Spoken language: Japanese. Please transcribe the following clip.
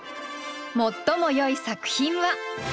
最もよい作品は。